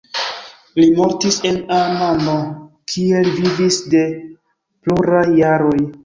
Li mortis en Amano kie li vivis de pluraj jaroj.